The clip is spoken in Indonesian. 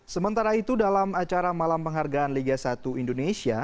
sementara itu dalam acara malam penghargaan liga satu indonesia